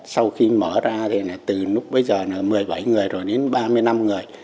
sau khi mở ra thì từ lúc bây giờ là một mươi bảy người rồi đến ba mươi năm người